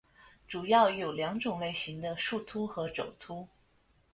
主要有两种类型的树突和轴突。